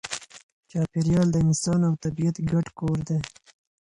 چاپېریال د انسان او طبیعت ګډ کور دی.